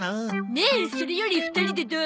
ねえそれより２人でどう？